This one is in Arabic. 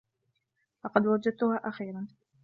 لقد وجدتها أخيرا.